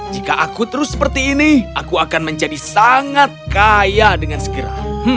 jika aku terus seperti ini aku akan menjadi sangat kaya dengan segera